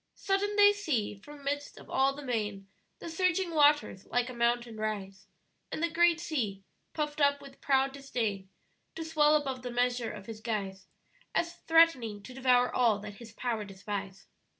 "Sudden they see from midst of all the main The surging waters like a mountain rise, And the great sea, puff'd up with proud disdain To swell above the measure of his guise, As threatening to devour all that his power despise."